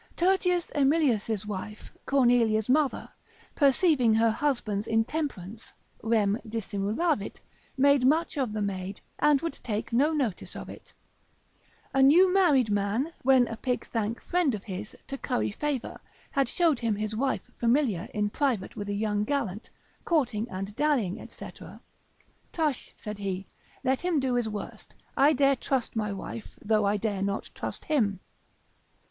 Tertius Emilius' wife, Cornelia's mother, perceiving her husband's intemperance, rem dissimulavit, made much of the maid, and would take no notice of it. A new married man, when a pickthank friend of his, to curry favour, had showed him his wife familiar in private with a young gallant, courting and dallying, &c. Tush, said he, let him do his worst, I dare trust my wife, though I dare not trust him.